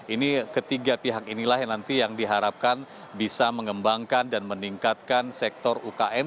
ini ketiga pihak inilah yang nanti yang diharapkan bisa mengembangkan dan meningkatkan sektor ukm